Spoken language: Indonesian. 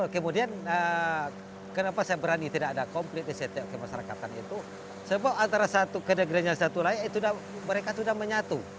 kemudian kenapa saya berani tidak ada konflik di setiap masyarakatan itu sebab antara satu kenebrian dan satu lain itu mereka sudah menyatu